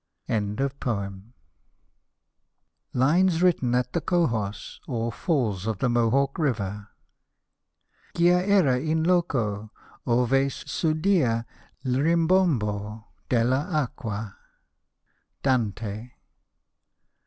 so. LINES WRITTEN AT THE COHOS, OR FALLS OF THE MOHAWK RIVER Gia era in loco ove s' udia '1 rimbombo Deir acqua . Dante.